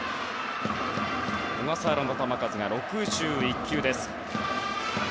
小笠原の球数は６１球です。